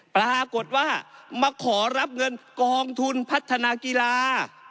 ปรากฏว่ามาขอรับเงินกองทุนพัฒนากีฬา